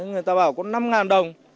người ta bảo có năm đồng